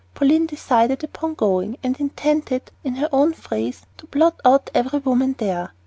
Pauline decided upon going, and intended, in her own phrase, to blot out every woman there.